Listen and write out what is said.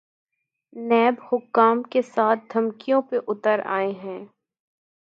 NAB حکام کے ساتھ دھمکیوں پہ اتر آئے ہیں۔